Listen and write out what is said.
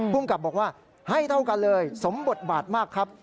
ภูมิกับบอกว่าให้เท่ากันเลยสมบทบาทมากครับ